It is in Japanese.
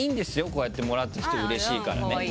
こうやってもらった人うれしいからね。